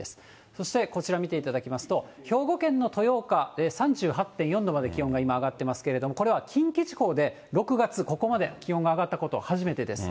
そしてこちら、見ていただきますと、兵庫県の豊岡、３８．４度まで気温が今、上がってますけれども、これは近畿地方で６月、ここまで気温が上がったことは初めてです。